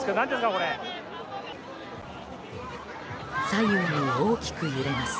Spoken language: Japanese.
左右に大きく揺れます。